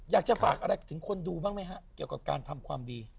อยากจะฝากอะไรถึงคนดูบ้างไหมฮะเกี่ยวกับการทำความดี